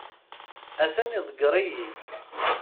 A-t-an iḍegger-iyi.